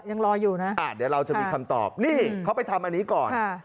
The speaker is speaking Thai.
ยังรออยู่นะค่ะนี่เขาไปทำอันนี้ก่อน